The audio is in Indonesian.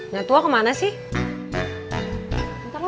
nanti gua yang malu